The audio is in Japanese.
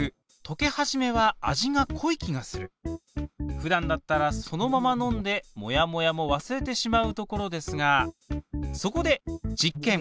ふだんだったらそのまま飲んでモヤモヤも忘れてしまうところですがそこで実験！